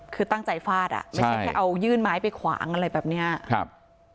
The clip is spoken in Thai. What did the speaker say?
คือตั้งใจฟาดอ่ะไม่ใช่แค่เอายื่นไม้ไปขวางอะไรแบบเนี้ยครับ